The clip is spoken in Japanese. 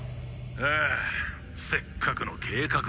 ああせっかくの計画が。